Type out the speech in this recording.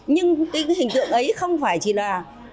nhưng hình tượng ấy không chỉ là